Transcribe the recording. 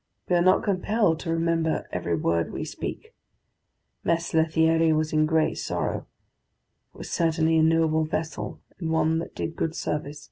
We are not compelled to remember every word we speak. Mess Lethierry was in great sorrow. It was certainly a noble vessel, and one that did good service.